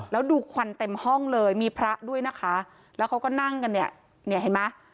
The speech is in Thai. แล้วดูควันเต็มห้องเลยมีพระด้วยนะคะแล้วเขาก็นั่งกันเนี่ยเนี่ยเห็นไหม